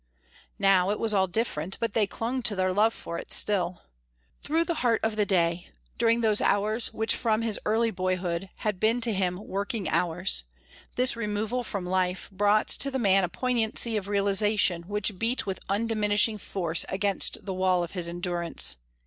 Now it was all different, but they clung to their love for it still. Through the heart of the day, during those hours which from his early boyhood had been to him working hours, this removal from life brought to the man a poignancy of realisation which beat with undiminishing force against the wall of his endurance.